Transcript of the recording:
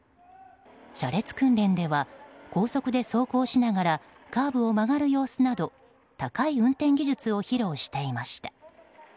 車列訓練では高速で走行しながらカーブを曲がる様子など高い運転技術を披露していました。